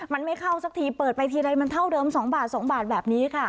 มันไม่เข้าสักทีเปิดไปทีไรมันเท่าเดิม๒บาท๒บาทแบบนี้ค่ะ